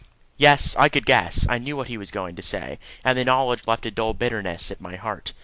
Yes, I could guess, I knew what he was going to say, and the knowledge left a dull bitterness at my heart.